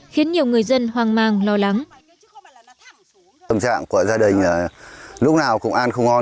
khiến nhiều người dân hoang mang lo lắng